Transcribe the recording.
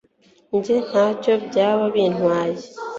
njye ntacyo byaba bintwaye